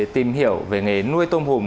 tìm hiểu về nghề nuôi tôm hùm